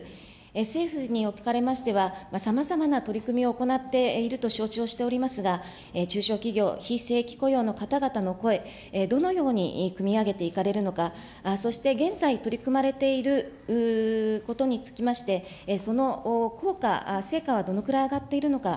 政府におかれましては、さまざまな取り組みを行っていると承知をしておりますが、中小企業、非正規雇用の方々の声、どのようにくみ上げていかれるのか、そして現在取り組まれていることにつきまして、その効果、成果はどのくらい上がっているのか。